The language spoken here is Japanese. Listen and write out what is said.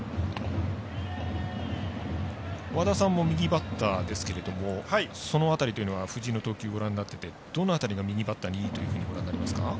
和田さんも右バッターですがその辺りというのは藤井の投球ご覧になっていてどの辺りが右バッターにいいとご覧になりますか？